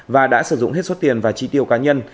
và đã sử dụng hết số tiền và chi tiêu cá nhân